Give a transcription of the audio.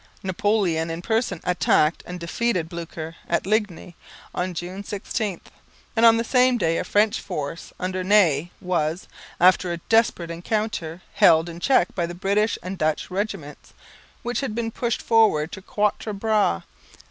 Napoleon in person attacked and defeated Blücher at Ligny on June 16; and on the same day a French force under Ney was, after a desperate encounter, held in check by the British and Dutch regiments, which had been pushed forward to Quatre Bras.